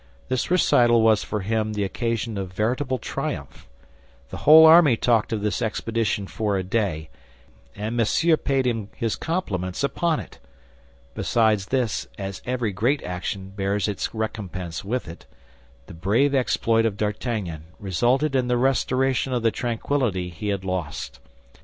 This recital was for him the occasion of veritable triumph. The whole army talked of this expedition for a day, and Monsieur paid him his compliments upon it. Besides this, as every great action bears its recompense with it, the brave exploit of D'Artagnan resulted in the restoration of the tranquility he had lost.